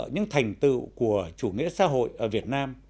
những thành tựu của chủ nghĩa xã hội ở việt nam